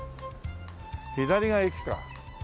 左が駅か。